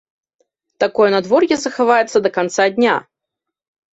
Такое надвор'е захаваецца да канца дня.